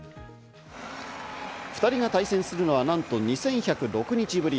２人が対戦するのはなんと２１０６日ぶり。